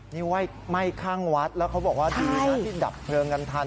นี่ไหม้ข้างวัดแล้วเขาบอกว่าดีนะที่ดับเพลิงกันทัน